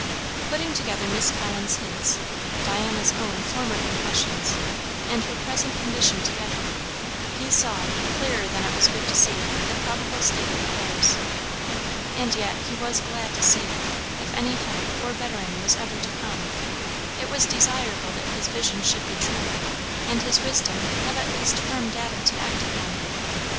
Putting Miss Collins' hints, Diana's own former confessions, and her present condition together, he saw, clearer than it was good to see, the probable state of affairs. And yet he was glad to see it; if any help or bettering was ever to come, it was desirable that his vision should be true, and his wisdom have at least firm data to act upon.